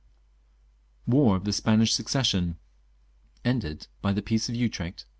War of the Spanish Succession. Ended by the Peace of Utrecht, 1713.